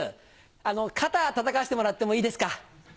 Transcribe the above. あの肩たたかせてもらってもいいですか？